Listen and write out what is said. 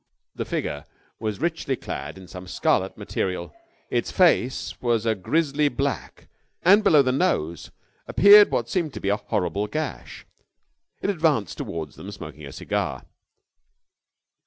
The figure was richly clad in some scarlet material. Its face was a grisly black and below the nose appeared what seemed a horrible gash. It advanced towards them, smoking a cigar.